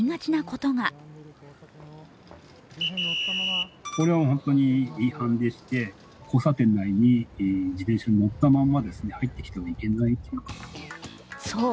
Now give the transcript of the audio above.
これはホントに違反でして、交差点内に自転車に乗ったまま入ってきてはいけない。